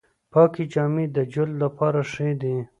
پاکې جامې د جلد لپاره ښې دي۔